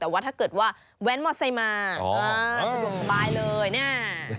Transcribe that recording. แต่ว่าถ้าเกิดว่าแว้นมอเซมาสะดวกสบายเลยเนี่ย